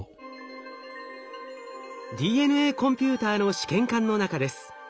ＤＮＡコンピューターの試験管の中です。